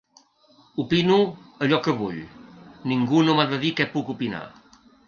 Opino allò que vull, ningú no m’ha de dir què puc opinar.